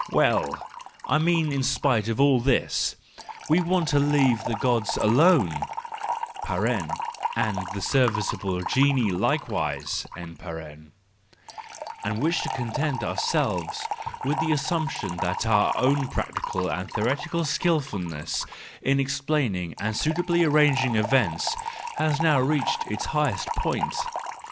Well—I mean in spite of all this! we want to leave the Gods alone (and the serviceable genii likewise), and wish to content ourselves with the assumption that our own practical and theoretical skilfulness in explaining and suitably arranging events has now reached its highest point.